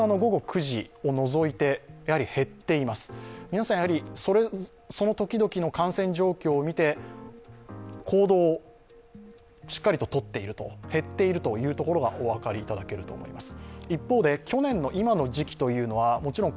皆さん、その時々の感染状況を見て行動をしっかりととっている、減っているということがお分かりいただけると思います。